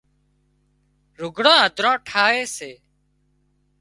لُگھڙان هڌران ٺاهي سي